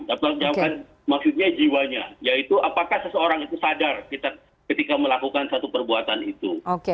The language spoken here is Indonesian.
dapat dihukum jawabkan maksudnya jiwanya yaitu apakah seseorang itu sadar ketika melakukan satu perbuatan itu